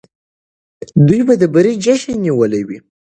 دوی به د بري جشن نیولی وي.